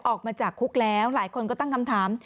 ออกมาจากคุกแล้วหลายคนก็ตั้งคำถาม